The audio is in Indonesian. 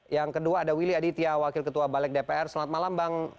yang kedua ada willy aditya wakil ketua balik dpr selamat malam bang